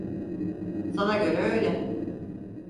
Sana göre öyle.